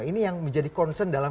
ini yang menjadi concern dalam